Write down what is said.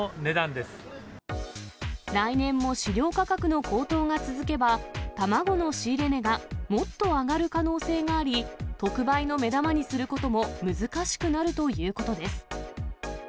来年も飼料価格の高騰が続けば、卵の仕入れ値がもっと上がる可能性があり、特売の目玉にすることも難しくなるということです。